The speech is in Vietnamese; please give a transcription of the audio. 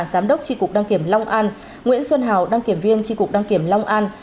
giám đốc tri cục đăng kiểm long an nguyễn xuân hào đăng kiểm viên tri cục đăng kiểm long an